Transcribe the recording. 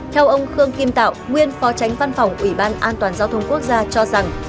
theo ông khương kim tạo nguyên phó tránh văn phòng ủy ban an toàn giao thông quốc gia cho rằng